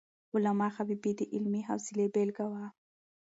علامه حبيبي د علمي حوصلي بېلګه وو.